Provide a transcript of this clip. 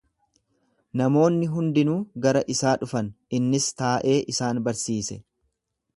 Namoonni hundinuu gara isaa dhufan, innis taa'ee isaan barsiise.